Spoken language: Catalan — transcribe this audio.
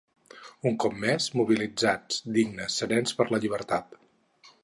Un cop més, mobilitzats, dignes, serens per la llibertat.